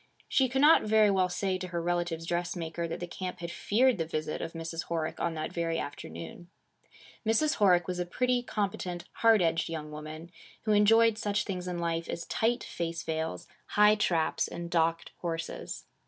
She could not very well say to her relative's dressmaker, that the camp had feared the visit of Mrs. Horick on that very afternoon. Mrs. Horick was a pretty, competent, hard edged young woman, who enjoyed such things in life as tight face veils, high traps, and docked horses.